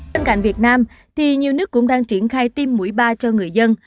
tên cạnh việt nam nhiều nước cũng đang triển khai tiêm mũi ba cho người dân